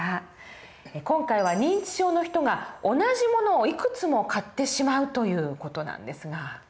今回は認知症の人が同じ物をいくつも買ってしまうという事なんですが。